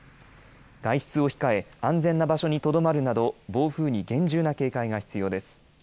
外出を控え、安全な場所にとどまるなど、暴風に厳重な警戒が必要です。